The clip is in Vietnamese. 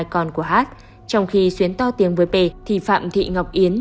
con của h trong khi xuyến to tiếng với p thì phạm thị ngọc yến